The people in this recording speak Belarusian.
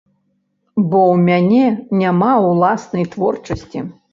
Бо ў мяне няма ўласнай творчасці.